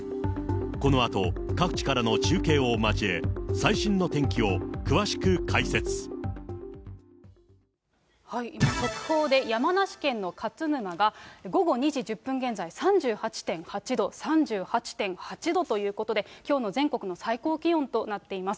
このあと各地からの中継を交え、速報で、山梨県の勝沼が、午後２時１０分現在、３８．８度、３８．８度ということで、きょうの全国の最高気温となっています。